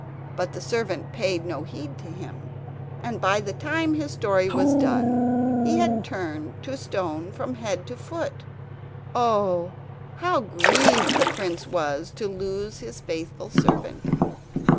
But the servant paid no heed to him, and by the time his story was done he had turned to stone from head to foot. Oh! how grieved the prince was to lose his faithful servant!